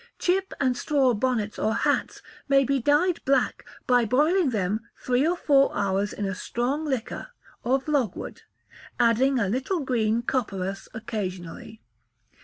Chip and straw bonnets or hats may be dyed black by boiling them three or four hours in a strong liquor of logwood, adding a little green copperas occasionally.